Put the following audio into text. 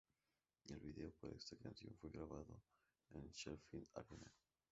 El vídeo para esta canción fue grabado en el Sheffield Arena.